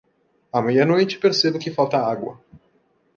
À meia-noite percebo que falta água.